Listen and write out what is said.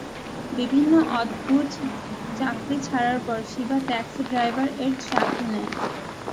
বিভিন্ন অদ্ভুত চাকরি ছাড়ার পর শিবা ট্যাক্সি ড্রাইভার এর চাকরি নেয়।